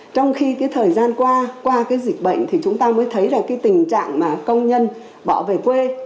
trong khi cái thời gian qua qua cái dịch bệnh thì chúng ta mới thấy là cái tình trạng mà công nhân bỏ về quê